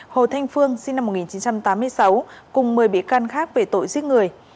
hồ thanh phương sinh năm một nghìn chín trăm tám mươi sáu cùng một mươi bị can khác về tội giết người